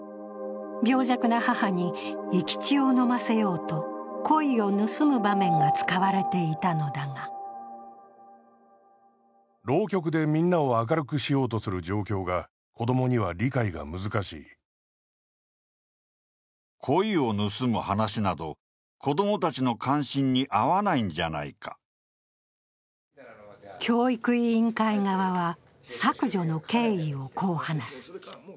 病弱な母に生き血を飲ませようと鯉を盗む場面が使われていたのだが教育委員会側は、削除の経緯をこう話す。